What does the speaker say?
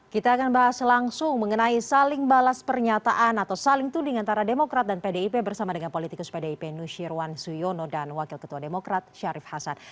kita akan bahas langsung mengenai saling balas pernyataan atau saling tuding antara demokrat dan pdip bersama dengan politikus pdip nusyirwan suyono dan wakil ketua demokrat syarif hasan